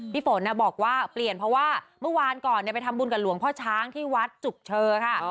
พี่ฝนบอกว่าเปลี่ยนเพราะว่าเมื่อวานก่อนไปทำบุญกับหลวงพ่อช้างที่วัดจุกเชอค่ะ